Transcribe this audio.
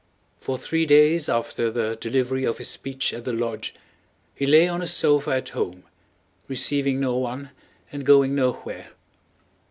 For three days after the delivery of his speech at the lodge he lay on a sofa at home receiving no one and going nowhere.